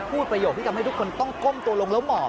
ประโยคที่ทำให้ทุกคนต้องก้มตัวลงแล้วหมอบ